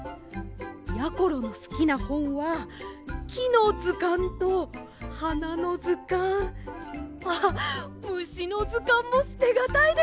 やころのすきなほんはきのずかんとはなのずかんあっむしのずかんもすてがたいですね。